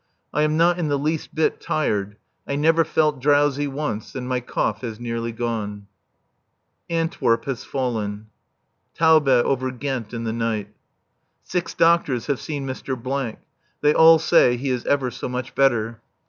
I am not in the least bit tired; I never felt drowsy once, and my cough has nearly gone. Antwerp has fallen. Taube over Ghent in the night. Six doctors have seen Mr. . They all say he is ever so much better.